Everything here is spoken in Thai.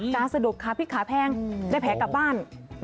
กาสดุ๊บขาพริกขาแพงได้แพ้กลับบ้าน